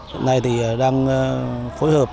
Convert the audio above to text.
hiện nay thì đang phối hợp